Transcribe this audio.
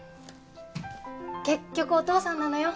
結局お父さんなのよ